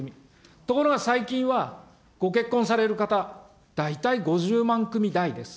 ところが最近はご結婚される方、大体５０万組台です。